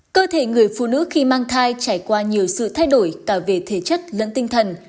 cơ thể người phụ nữ khi mang thai trải qua nhiều sự thay đổi cả về thể chất lẫn tinh thần